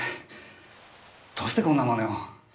どうしてこんな真似を？